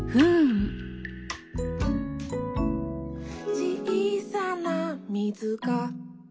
「ちいさなみずが」